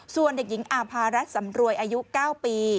ส่วนเด็กหญิงอาภารัฐสำรวยอายุ๙ปี